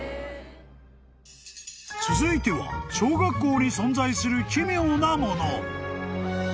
［続いては小学校に存在する奇妙なもの］